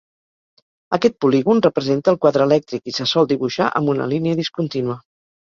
Aquest polígon representa el quadre elèctric i se sol dibuixar amb una línia discontínua.